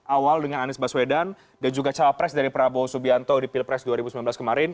awal dengan anies baswedan dan juga cawapres dari prabowo subianto di pilpres dua ribu sembilan belas kemarin